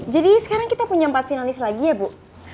jadi sekarang kita punya empat finalis lagi ya bu